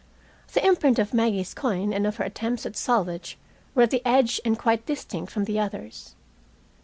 The imprint of Maggie's coin and of her attempts at salvage were at the edge and quite distinct from the others.